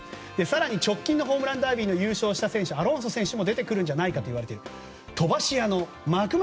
直近のホームランダービーで優勝した選手アロンソ選手も出てくるんじゃないかと。